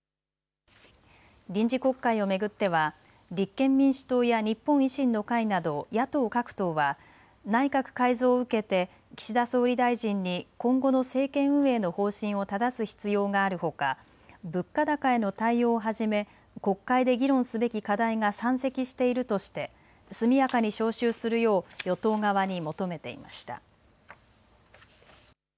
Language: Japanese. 臨時国会を巡っては立憲民主党や日本維新の会など野党各党は内閣改造を受けて岸田総理大臣に今後の政権運営の方針をただす必要があるほか、物価高への対応をはじめ、国会で議論すべき課題が山積しているとして速やかに召集するよう与党側に求めていました。